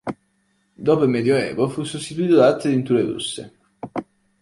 Dopo il Medioevo fu sostituito da altre tinture rosse.